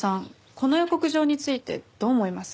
この予告状についてどう思います？